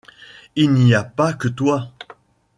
Il n’y a pas que toi.